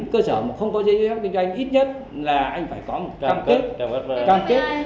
cơ sở không có dây dưới hát kinh doanh ít nhất là anh phải có một cam kết